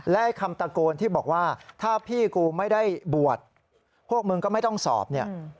และคำตะโกนที่บอกว่าถ้าพี่กูไม่ได้บวชพวกมึงก็ไม่ต้องสอบเนี่ย